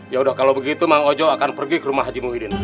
ya udah kalau begitu mang ojo akan pergi ke rumah haji muhyiddin